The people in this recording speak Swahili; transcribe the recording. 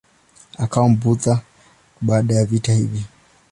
Akawa Mbudha baada ya vita hivi.